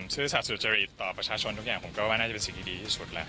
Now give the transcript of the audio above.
ซื่อสัตว์สุจริตต่อประชาชนทุกอย่างผมก็ว่าน่าจะเป็นสิ่งที่ดีที่สุดแล้ว